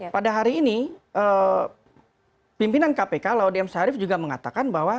pada hari ini pimpinan kpk laudiem sharif juga mengatakan bahwa